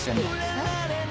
えっ？